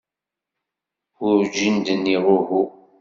Werǧin d-nniɣ uhu.